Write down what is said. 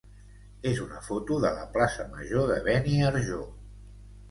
és una foto de la plaça major de Beniarjó.